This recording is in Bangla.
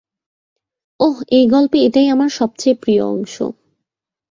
ওহ, এই গল্পে এটাই আমার সবচেয়ে প্রিয় অংশ।